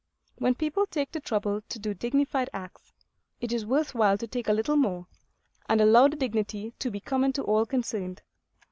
When people take the trouble to do dignified acts, it is worth while to take a little more, and allow the dignity to be common to all concerned.